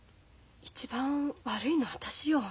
一番悪いのは私よ。